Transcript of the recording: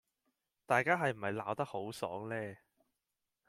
大家係唔係鬧得好爽呢？